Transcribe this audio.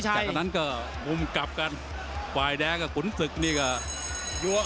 โอ้โหดูอันตรายทั้งคู่เยี่ยมยอด